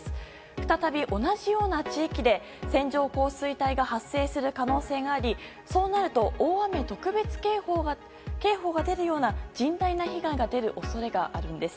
再び同じような地域で線状降水帯が発生する可能性がありそうなると大雨特別警報が出るような甚大な被害が出る恐れがあるんです。